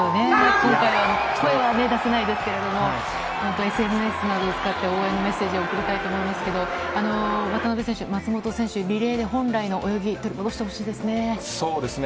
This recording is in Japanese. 今回は声は出せないですけれども、本当にＳＮＳなどを使って、応援のメッセージを送りたいと思いますけれども、渡辺選手、松本選手、リレーで本来の泳ぎ見せてほしいですね。